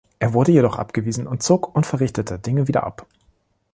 Er wurde jedoch abgewiesen und zog unverrichteter Dinge wieder ab.